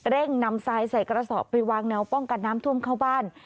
เร่งนำทรายใส่กระสอบไปวางแนวป้องกันน้ำท่วมเข้าบ้าน